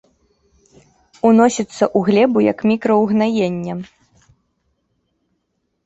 Уносіцца ў глебу як мікраўгнаенне.